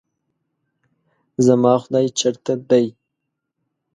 زما خداے چرته دے؟